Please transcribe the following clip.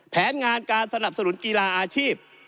แผนงานการสนับสนุนกีฬาอาชีพ